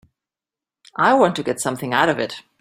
I want to get something out of it.